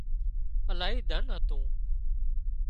الاهي ڌن هتون